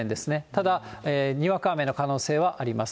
ただ、にわか雨の可能性はあります。